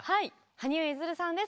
羽生結弦さんです。